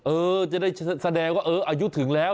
เออจะได้แสดงว่าเอออายุถึงแล้ว